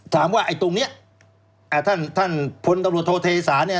ถามว่าไอ้ตรงนี้ท่านพลตรวจโทษเทศาเนี่ย